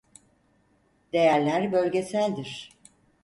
Değerler bölgeseldir